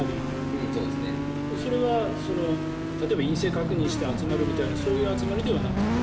それは例えば陰性確認して集まるみたいなそういう集まりではなくて？